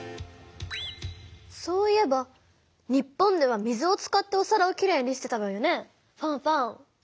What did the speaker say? そういえば日本では水を使っておさらをきれいにしてたわよねファンファン。